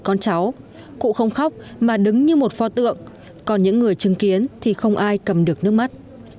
con cháu cụ không khóc mà đứng như một pho tượng còn những người chứng kiến thì không ai cầm được nước mắt